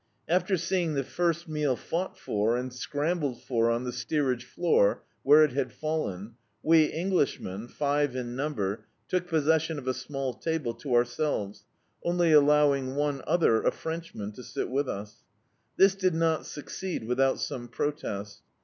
After seeing the first meal fou^t for, and scrambled for on the steerage floor, where it had fallen, we Englishmen, five in number, took possession of a small tabl^ to ourselves, only allowing rate other, a Frenchman, to sit with us. This did not succeed without some protest.